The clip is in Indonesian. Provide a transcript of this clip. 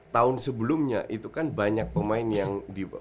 tahun sebelumnya itu kan banyak pemain yang di